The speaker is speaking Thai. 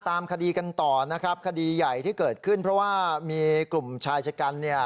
ตามคดีกันต่อนะครับคดีใหญ่ที่เกิดขึ้นเพราะว่ามีกลุ่มชายชะกันเนี่ย